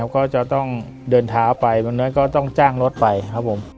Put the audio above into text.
ก็จะต้องเดินเท้าไปวันนั้นก็ต้องจ้างรถไปครับผม